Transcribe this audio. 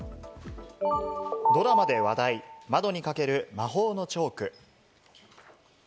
ドラマで話題、窓に描ける魔法のチョーク。